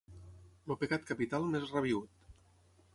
El pecat capital més rabiüt.